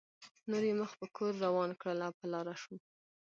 نور یې مخ په کور روان کړل او په لاره شو.